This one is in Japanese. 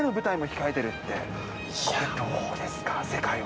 これ、どうですか、世界は。